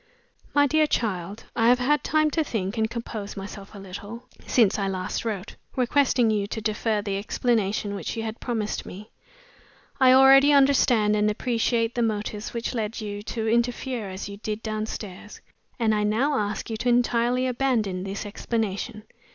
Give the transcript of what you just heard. "MY DEAR CHILD I have had time to think and compose myself a little, since I last wrote, requesting you to defer the explanation which you had promised me. I already understand (and appreciate) the motives which led you to interfere as you did downstairs, and I now ask you to entirely abandon the explanation.